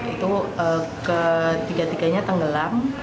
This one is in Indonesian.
itu ketiga tiganya tenggelam